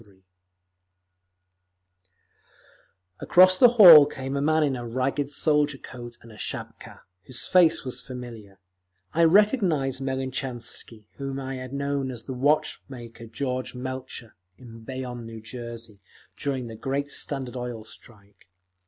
X, Sect. 3) Across the hall came a man in a ragged soldier coat and shapka, whose face was familiar; I recognised Melnichansky, whom I had known as the watch maker George Melcher in Bayonne, New Jersey, during the great Standard Oil strike.